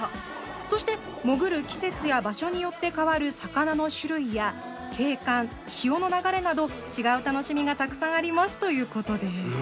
そして潜る季節や場所によって変わる魚の種類や景観潮の流れなど違う楽しみがたくさんあります」ということです。